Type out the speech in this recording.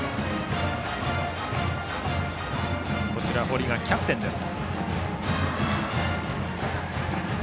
その堀はキャプテンです。